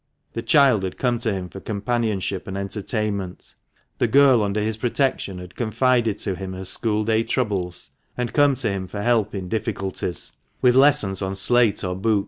The child had come to him for companionship and entertainment, the girl under his protection had confided to him her school day troubles, and come to him for help in difficulties, with lessons on slate or book.